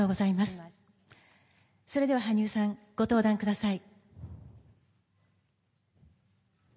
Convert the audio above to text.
それでは、羽生さんご登壇ください。